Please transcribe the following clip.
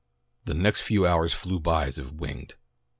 The next few hours flew by as if winged.